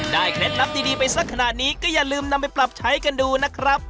เคล็ดลับดีไปสักขนาดนี้ก็อย่าลืมนำไปปรับใช้กันดูนะครับ